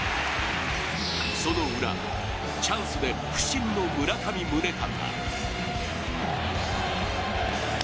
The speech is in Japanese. そのウラ、チャンスで不振の村上宗隆。